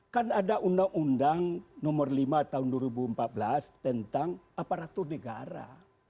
kan ada undang undang nomor lima tahun dua ribu empat belas tentang aparatur negara